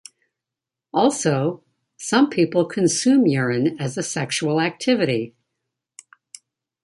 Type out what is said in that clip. Also, some people consume urine as a sexual activity.